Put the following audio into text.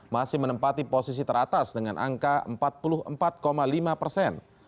masih menempati posisi teratas dengan angka empat puluh empat lima persen